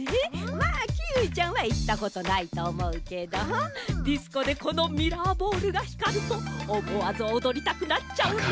まあキーウィちゃんはいったことないとおもうけどディスコでこのミラーボールがひかるとおもわずおどりたくなっちゃうの。